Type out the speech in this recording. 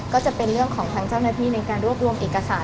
ก็จะเป็นเรื่องของทางเจ้าหน้าที่ในการรวบรวมเอกสาร